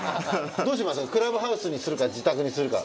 どうします？